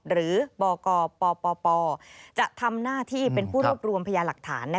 หรือบกปปจะทำหน้าที่เป็นผู้รวบรวมพยาหลักฐาน